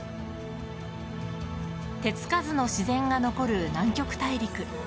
手つかずの自然が残る南極大陸。